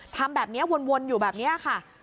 ทำแบบนี้วนอยู่แบบนี้ค่ะ